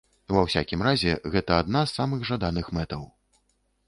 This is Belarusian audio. Ва усякім разе, гэта адна з самых жаданых мэтаў.